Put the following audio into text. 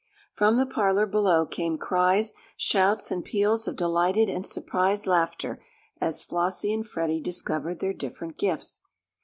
From the parlor below came cries, shouts and peals of delighted and surprised laughter as Flossie and Freddie discovered their different gifts.